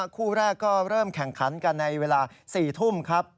คู่แรกก็เริ่มแข่งขันกันในเวลา๔ทุ่มครับ